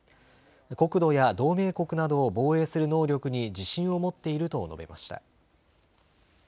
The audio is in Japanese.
国土や同盟国などを防衛する能力に自信を持っていると述べました。